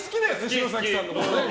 城咲さんのことね。